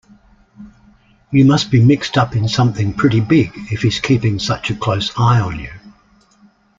You must be mixed up in something pretty big if he's keeping such a close eye on you.